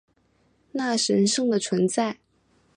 那神圣的存在